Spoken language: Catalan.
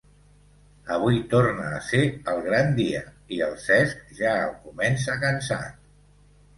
Avui torna a ser el gran dia, i el Cesc ja el comença cansat.